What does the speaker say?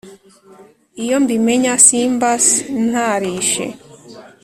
iyo mbimenya simbs ntarishe